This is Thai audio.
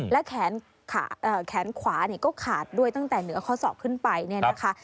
และแขนขวาก็ขาดด้วยตั้งแต่เหนือข้อศอกขึ้นไปเนี่ยนะคะ